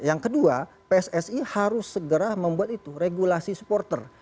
yang kedua pssi harus segera membuat itu regulasi supporter